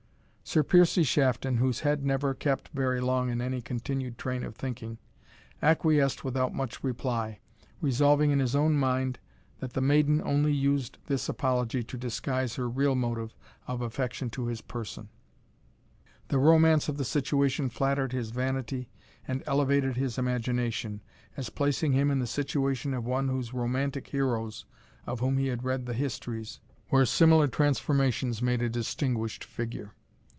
Sir Piercie Shafton, whose head never kept very long in any continued train of thinking, acquiesced without much reply, resolving in his own mind that the maiden only used this apology to disguise her real motive, of affection to his person. The romance of the situation flattered his vanity and elevated his imagination, as placing him in the situation of one of those romantic heroes of whom he had read the histories, where similar transformations made a distinguished figure.